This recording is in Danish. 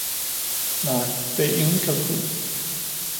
Nej, det er ingen kalkun